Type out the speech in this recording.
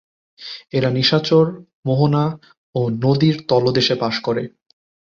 এরা নিশাচর, মোহনা ও নদীর তলদেশে বাস করে।